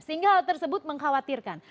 sehingga hal tersebut mengkhawatirkan